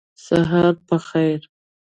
سهار په خیر !